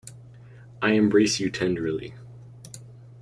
I embrace you tenderly.